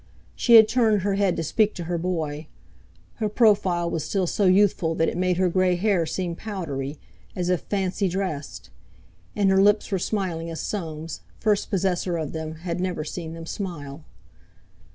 She had turned her head to speak to her boy; her profile was still so youthful that it made her grey hair seem powdery, as if fancy dressed; and her lips were smiling as Soames, first possessor of them, had never seen them smile.